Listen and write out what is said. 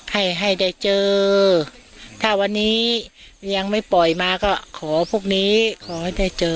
ให้ให้ได้เจอถ้าวันนี้ยังไม่ปล่อยมาก็ขอพวกนี้ขอให้ได้เจอ